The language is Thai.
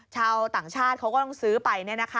ชาวต่างชาติเขาก็ต้องซื้อไป